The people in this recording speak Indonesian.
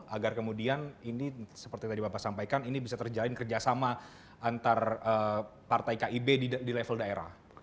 agar kemudian ini seperti tadi bapak sampaikan ini bisa terjalin kerjasama antar partai kib di level daerah